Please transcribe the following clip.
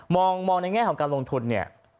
มองในแง่ของการลงทุนเนี่ย